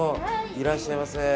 いらっしゃいませ。